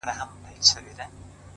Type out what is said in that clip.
• خو په شا یې وړل درانه درانه بارونه,